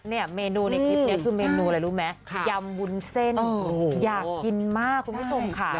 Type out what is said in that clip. เมนูในคลิปนี้คือเมนูอะไรรู้ไหมยำวุ้นเส้นอยากกินมากคุณผู้ชมค่ะ